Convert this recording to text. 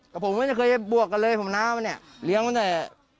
กับผมก็ไม่เคยบวกกันเลยผมน้าวะเนี้ยเลี้ยงมันแต่